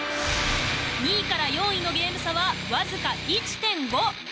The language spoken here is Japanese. ２位から４位のゲーム差はわずか１．５。